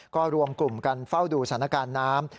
ก็รวมกลุ่มกันเฝ้าดูสถานการณ์น้ำ